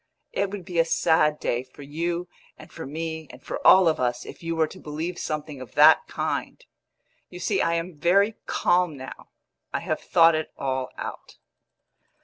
It would be a sad day for you and for me and for all of us if you were to believe something of that kind. You see I am very calm now; I have thought it all out."